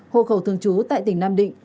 hộ khẩu thường trú tại tỉnh nam định